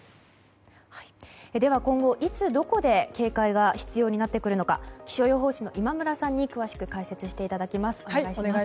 では、今後いつどこで警戒が必要になるのか気象予報士の今村さんに詳しく解説していただきます。